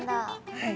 はい。